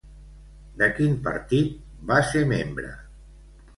De quin partit va ser membre?